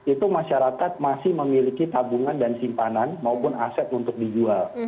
itu masyarakat masih memiliki tabungan dan simpanan maupun aset untuk dijual